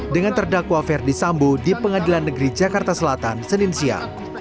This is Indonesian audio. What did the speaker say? dengan terdakwa ferdi sambo di pengadilan negeri jakarta selatan senin siang